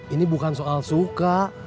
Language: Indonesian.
ini bukan soal suka